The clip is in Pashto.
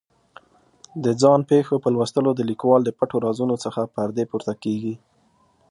د ځان پېښو په لوستلو د لیکوال د پټو رازونو څخه پردې پورته کېږي.